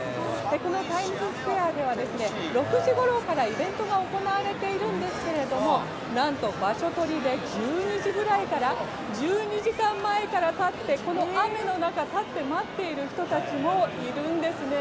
このタイムズスクエアでは６時ごろからイベントが行われているんですが何と、場所取りで１２時間前からこの雨の中立って待っている人たちもいるんですね。